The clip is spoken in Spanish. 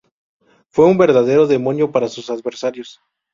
Fue un verdadero demonio para sus adversarios.